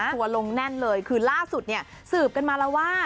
ทัวร์ลงแน่นเลยคือล่าสุดสืบกันมาแล้วว่า